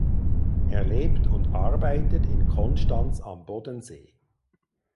Er lebt und arbeitet in Konstanz am Bodensee.